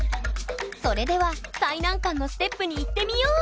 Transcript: それでは最難関のステップに行ってみよう！